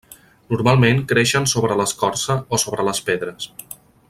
Normalment creixen sobre l'escorça o sobre les pedres.